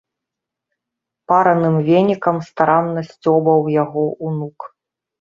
Параным венікам старанна сцёбаў яго ўнук.